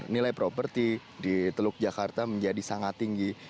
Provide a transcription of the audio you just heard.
nilai properti di teluk jakarta menjadi sangat tinggi